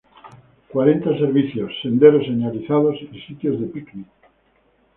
Cuenta servicios, senderos señalizados y sitios de "picnic".